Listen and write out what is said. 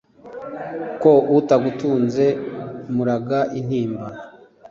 ko utagutunze muraga intimba ?